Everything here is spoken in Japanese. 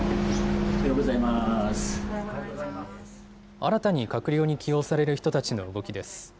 新たに閣僚に起用される人たちの動きです。